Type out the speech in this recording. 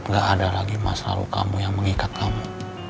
gak ada lagi masa lalu kamu yang mengikat kamu